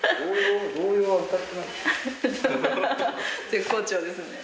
絶好調ですね。